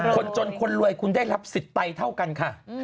คนจนคนรวยคุณได้รับสิทธิ์ไตเท่ากันค่ะ